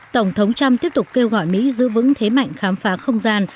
tổng thống trump tiếp tục kêu gọi mỹ giữ vững thế mạnh khám phá không gian